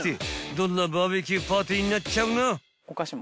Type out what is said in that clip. どんなバーベキューパーティーになっちゃうの？］